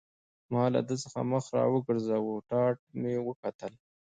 ما له ده څخه مخ را وګرځاوه، ټاټ مې وکتل.